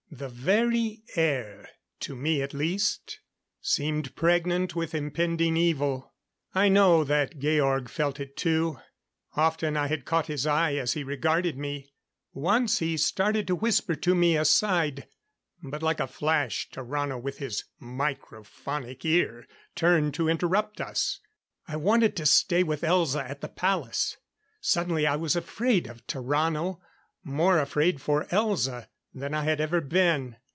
The very air to me at least seemed pregnant with impending evil. I know that Georg felt it too. Often I had caught his eye as he regarded me. Once he started to whisper to me aside, but like a flash, Tarrano with his microphonic ear, turned to interrupt us. I wanted to stay with Elza at the palace. Suddenly I was afraid of Tarrano, more afraid for Elza than I had ever been.